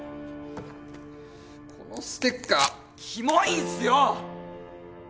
このステッカーキモいんすよ！